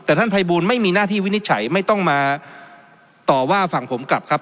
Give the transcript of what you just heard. แต่ท่านภัยบูลไม่มีหน้าที่วินิจฉัยไม่ต้องมาต่อว่าฝั่งผมกลับครับ